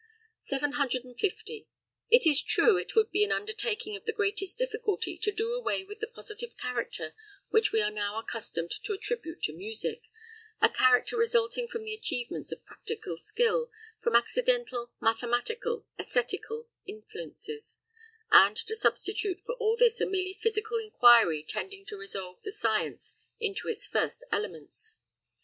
750. It is true it would be an undertaking of the greatest difficulty to do away with the positive character which we are now accustomed to attribute to music a character resulting from the achievements of practical skill, from accidental, mathematical, æsthetical influences and to substitute for all this a merely physical inquiry tending to resolve the science into its first elements.